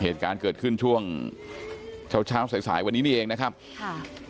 เหตุการณ์เกิดขึ้นช่วงเช้าเช้าสายสายวันนี้นี่เองนะครับค่ะ